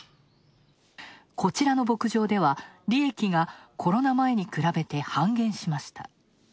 こちらの牧場では利益がコロナ前に比べて半減しました。